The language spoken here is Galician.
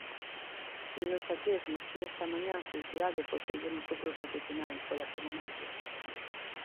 Tino Saqués mostrou esta mañá a felicidade por seguir no fútbol profesional, pola permanencia.